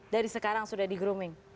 dari sekarang sudah di grooming